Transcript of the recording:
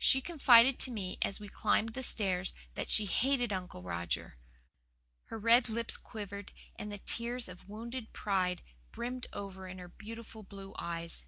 She confided to me as we climbed the stairs that she hated Uncle Roger. Her red lips quivered and the tears of wounded pride brimmed over in her beautiful blue eyes.